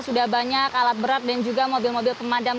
sudah banyak alat berat dan juga mobil mobil pemadam